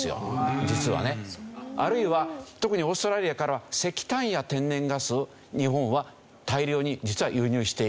あるいは特にオーストラリアからは石炭や天然ガスを日本は大量に実は輸入している。